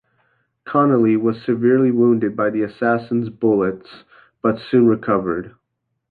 Connally was severely wounded by the assassin's bullets but soon recovered.